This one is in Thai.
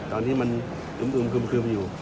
ตอนที่มันอึมคึมอยู่